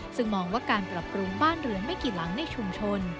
ซึ่งมองว่าการปรับปรุงบ้านเรือนไม่กี่หลังในชุมชน